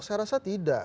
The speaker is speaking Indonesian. saya rasa tidak